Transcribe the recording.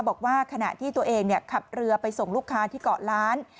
บอกว่าขณะที่ตัวเองขับเรือไปส่งลูกค้าที่เกาะล้าน